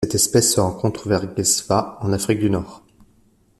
Cette espèce se rencontre vers Gefza en Afrique du Nord.